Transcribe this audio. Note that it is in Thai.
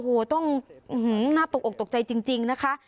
โอ้โหต้องน่าตกอกตกใจจริงนะคะ